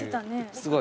すごい。